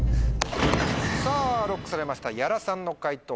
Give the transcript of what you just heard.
さぁＬＯＣＫされました屋良さんの解答